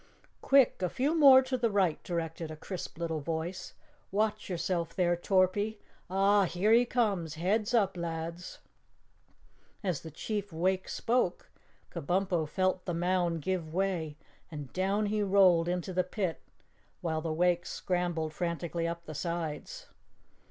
"Quick, a few more to the right," directed a crisp little voice. "Watch yourself there, Torpy. Ah, here he comes! Heads up, lads!" As the Chief Wake spoke, Kabumpo felt the mound give way and down he rolled into the pit, while the Wakes scrambled frantically up the sides.